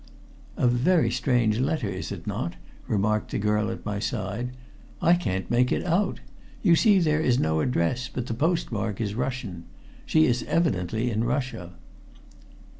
"A very strange letter, is it not?" remarked the girl at my side. "I can't make it out. You see there is no address, but the postmark is Russian. She is evidently in Russia."